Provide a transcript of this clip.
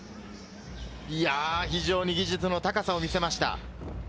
非常に技術の高さを見せました。